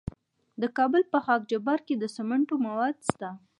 د کابل په خاک جبار کې د سمنټو مواد شته.